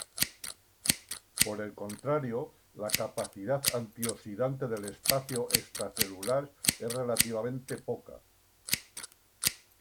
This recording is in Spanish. Por el contrario, la capacidad antioxidante del espacio extracelular es relativamente poca "e.g.